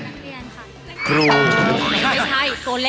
นักเรียน